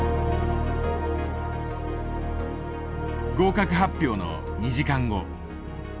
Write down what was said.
合格発表の２時間後。